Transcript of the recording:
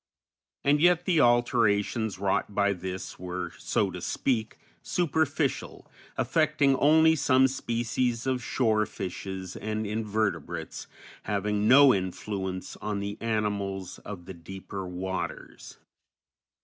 And yet the alterations wrought by this were, so to speak, superficial, affecting only some species of shore fishes and invertebrates, having no influence on the animals of the deeper waters.